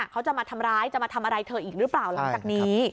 เขาจะมาทำร้ายจะมาทำอะไรเธออีกหรือเปล่าหลังจากนี้